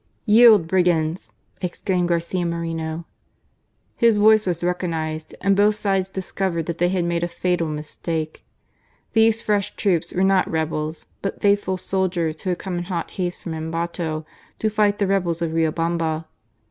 " Yield, brigands !" exclaimed Garcia Moreno. His voice was recognized and both sides discovered that they had made a fatal mistake. These fresh troops were not rebels but faithful soldiers who had come in hot haste from Ambato to fight the rebels of Riobamba.